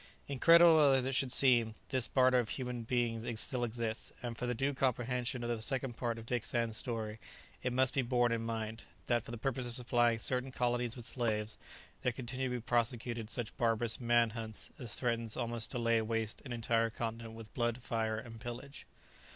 Incredible as it should seem, this barter of human beings still exists, and for the due comprehension of the second part of Dick Sands' story it must be borne in mind, that for the purpose of supplying certain colonies with slaves, there continue to be prosecuted such barbarous "man hunts" as threaten almost to lay waste an entire continent with blood, fire, and pillage.